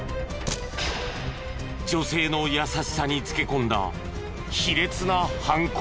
女性の優しさにつけ込んだ卑劣な犯行。